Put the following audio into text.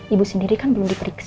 ibu sendiri kan belum diperiksa